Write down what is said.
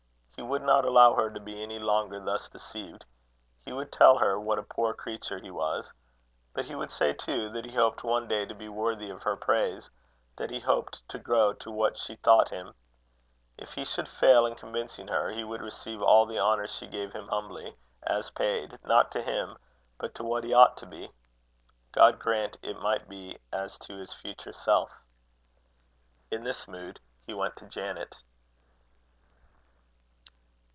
He would not allow her to be any longer thus deceived. He would tell her what a poor creature he was. But he would say, too, that he hoped one day to be worthy of her praise, that he hoped to grow to what she thought him. If he should fail in convincing her, he would receive all the honour she gave him humbly, as paid, not to him, but to what he ought to be. God grant it might be as to his future self! In this mood he went to Janet.